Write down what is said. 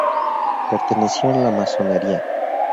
Perteneció a la Masonería.